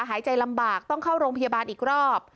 หายใจลำบากต้องเข้าโรงพยาบาลอีกรอบ